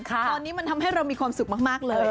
ตอนนี้มันทำให้เรามีความสุขมากเลย